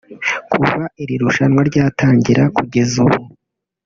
Kuva iri rushanwa ryatangira kugeza ubu